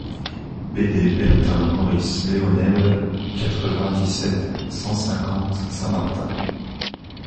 BD BERTIN MAURICE LEONEL, quatre-vingt-dix-sept, cent cinquante Saint Martin